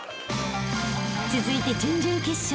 ［続いて準々決勝］